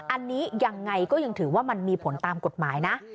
อันนี้ยังไงก็ยังถือว่ามันมีผลตามกฎหมายนะ